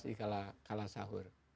lebih kalah sahur